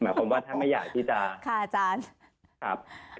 หมายความว่าท่านไม่อยากที่จะค่ะอาจารย์ครับ